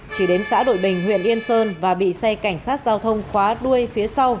chỉ đến xã đội bình huyện yên sơn và bị xe cảnh sát giao thông khóa đuôi phía sau